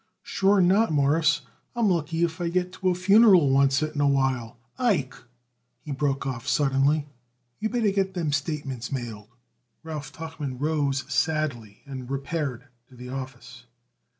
"Sure not, Mawruss, I'm lucky if I get to a funeral oncet in a while. Ike," he broke off suddenly, "you better get them statements mailed." Ralph Tuchman rose sadly and repaired to the office.